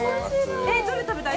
どれ食べたい？